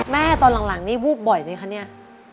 แม่ตอนหลังนี่วู่บบ่อยมัยคะเนี่ย